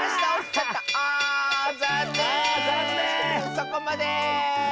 そこまで！